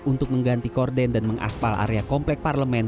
untuk mengganti korden dan mengaspal area komplek parlemen